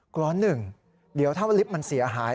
ร้อนหนึ่งเดี๋ยวถ้าลิฟต์มันเสียหาย